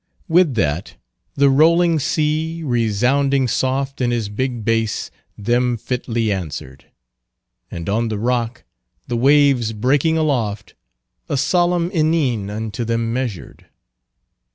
"With that the rolling sea resounding soft In his big base them fitly answered, And on the Rock, the waves breaking aloft, A solemn ineane unto them measured."